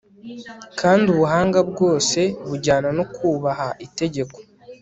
kandi ubuhanga bwose bujyana no kubaha itegeko